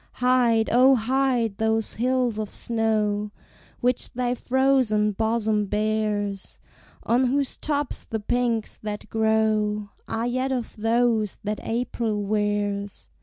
Hide, O, hide those hills of snow Which thy frozen bosom bears, On whose tops the pinks that grow Are yet of those that April wears!